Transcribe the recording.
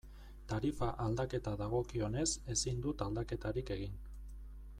Tarifa aldaketa dagokionez, ezin dut aldaketarik egin.